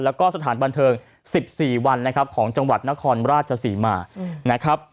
แล้วก็สถานบันเทิง๑๔วันนะครับของจังหวัดนครราชศรีมานะครับ